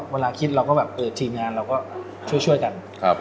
เวลาคิดเราก็แบบทีมงานเราก็ช่วยกัน